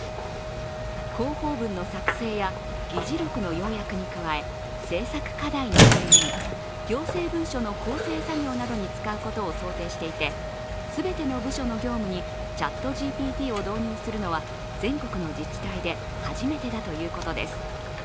広報文の作成や議事録の要約に加え、政策課題の提言、行政文書の校正作業などに使うことを想定していて全ての部署の業務にＣｈａｔＧＰＴを導入するのは全国の自治体で初めてだということです。